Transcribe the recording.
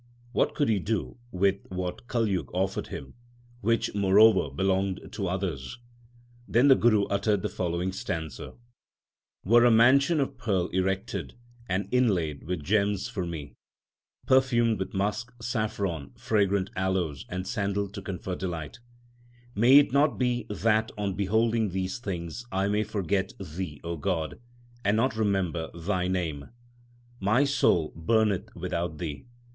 What could he do with what Kaljug offered him, which moreover belonged to others ? Then the Guru uttered the following stanza : Were a mansion of pearls erected and inlaid with gems for me ; Perfumed with musk, saffron, fragrant aloes and sandal to confer delight ; May it not be that on beholding these things I may forget Thee, God, and not remember Thy name ! My soul burneth without Thee.